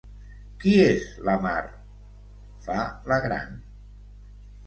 Qui és la Mar? —fa la gran.